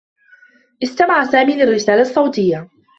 استمع سامي للرّسالة الصّوتيّة.